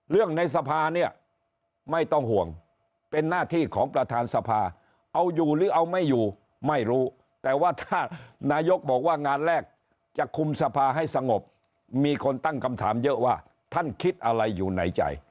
ในสภาเนี่ยไม่ต้องห่วงเป็นหน้าที่ของประธานสภาเอาอยู่หรือเอาไม่อยู่ไม่รู้แต่ว่าถ้านายกบอกว่างานแรกจะคุมสภาให้สงบมีคนตั้งคำถามเยอะว่าท่านคิดอะไรอยู่ในใจ